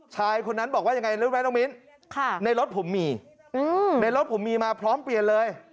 ชายคนนั้นบอกว่ายังไงรู้ไหมน้องมิ้นในรถผมมีในรถผมมีมาพร้อมเปลี่ยนเลย